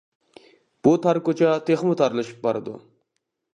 بۇ تار كوچا تېخىمۇ تارلىشىپ بارىدۇ.